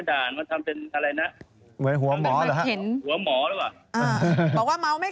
อายุข้างนั้นไม่หมดไง